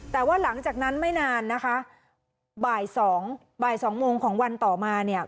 แต่ว่าหลังจากนั้นไม่นานนะคะบ่ายสองบ่ายสองโมงของวันต่อมาเนี่ย